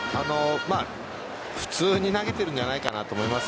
普通に投げているのではないかなと思います。